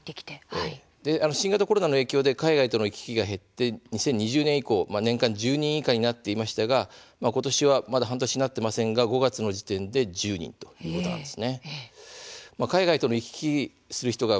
新型コロナの影響で海外との行き来が減った２０２０年以降は年間１０人以下となっていましたが今年は半年になっていませんが５月の時点で１０人ということなんです。